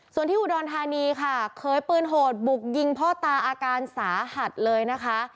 ส่วนที่อุดรธานีค่ะเคยปืนโหดบุกยิงพ่อตาอาการสาหัสเลยนะคะ